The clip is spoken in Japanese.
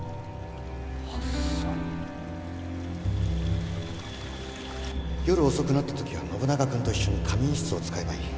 発散夜遅くなったときは信長君と一緒に仮眠室を使えばいい